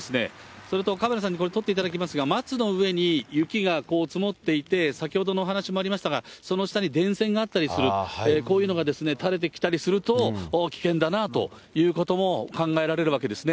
それとカメラさんにこれ、撮っていただきますが、松の上に雪が積もっていて、先ほどのお話もありましたが、その下に電線があったりする、こういうのが垂れてきたりすると、危険だなぁということも考えられるわけですね。